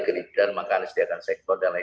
ke litar maka harus diberikan sektor dan lain lain